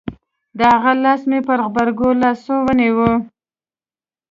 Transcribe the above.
د هغه لاس مې په غبرگو لاسو ونيو.